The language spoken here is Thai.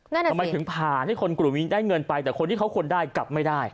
ทำไมถึงผ่านให้คนกลุ่มนี้ได้เงินไปแต่คนที่เขาควรได้กลับไม่ได้